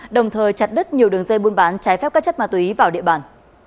đồng thời chặt đứt nhiều đường dây buôn bán trái phép các chất ma túy vào địa bàn